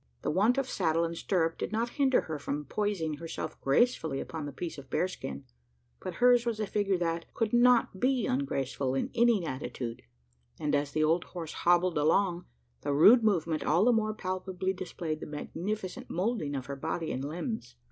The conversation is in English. The want of saddle and stirrup did not hinder her from poising herself gracefully upon the piece of bear skin; but hers was a figure that, could not be ungraceful in any attitude; and, as the old horse hobbled along, the rude movement all the more palpably displayed the magnificent moulding of her body and limbs.